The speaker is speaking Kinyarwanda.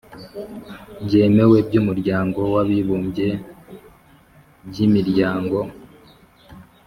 byemewe by'umuryango w'abibumbye, by'imiryango